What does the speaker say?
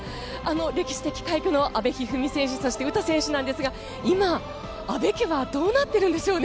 歴史的快挙の阿部一二三選手そして詩選手なんですが今、阿部家はどうなっているんでしょうね。